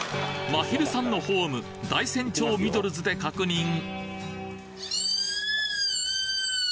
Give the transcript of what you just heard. まひるさんのホーム大山町ミドルズで確認